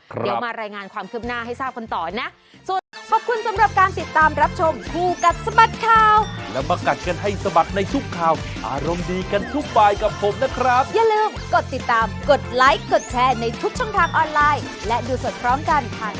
เดี๋ยวมารายงานความคืบหน้าให้ทราบกันต่อนะ